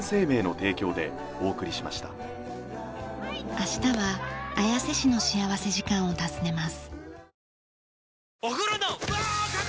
明日は綾瀬市の幸福時間を訪ねます。